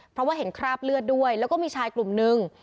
เพราะว่าเห็นคราบเลือดด้วยแล้วก็มีชายกลุ่มนึง